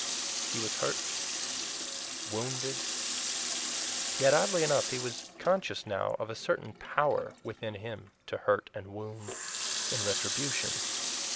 He was hurt, wounded yet oddly enough he was conscious now of a certain power within him to hurt and wound in retribution.